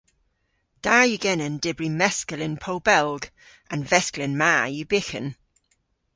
Da yw genen dybri meskel yn Pow Belg. An vesklen ma yw byghan.